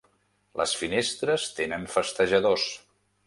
Les finestres tenen festejadors.